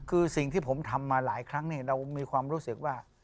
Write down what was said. คือสิ่งที่ผมทำมาหลายครั้งเรามีความรู้สึกว่า